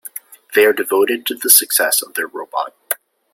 They are devoted to the success of their robot.